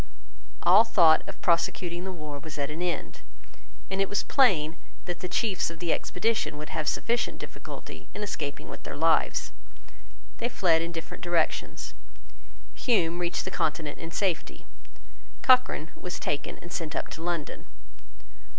All thought of prosecuting the war was at an end: and it was plain that the chiefs of the expedition would have sufficient difficulty in escaping with their lives. They fled in different directions. Hume reached the Continent in safety. Cochrane was taken and sent up to London.